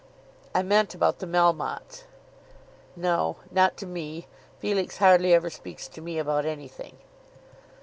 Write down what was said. "I meant about the Melmottes." "No; not to me. Felix hardly ever speaks to me about anything."